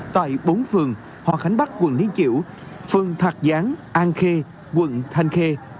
tại bốn phường hòa khánh bắc quận niên chiểu phường thạc gián an khê quận thanh khê